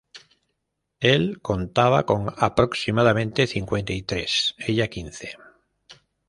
Él contaba con aproximadamente cincuenta y tres; ella, quince.